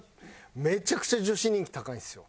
めちゃくちゃ女子人気高いですよ。